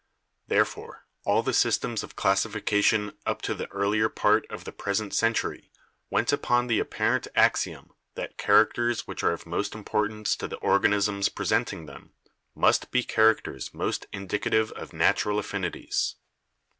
"Therefore all the systems of classification up to the earlier part of the present century went upon the apparent axiom that characters which are of most importance to the organisms presenting them must be characters most in dicative of natural affinities.